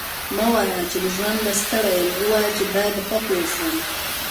مه وايه! چي له ژونده ستړی یم؛ ووايه چي باید خوښ واوسم.